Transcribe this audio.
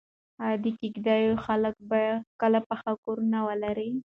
ایا د کيږديو خلک به کله پاخه کورونه ولري؟